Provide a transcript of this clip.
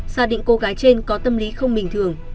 xác định cô gái trên có tâm lý không bình thường